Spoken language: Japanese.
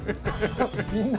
みんな。